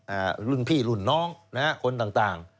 อะรุ่นพี่รุ่นน้องนะฮะคนต่าง